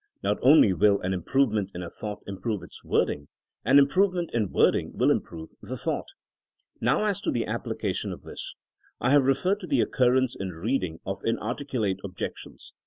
Not only will an improvement in a thought improve its wording; an improvement in wording wiU im prove the thought. Now as to the application of this. I have re ferred to the occurrence in reading of inar ticulate '* objections.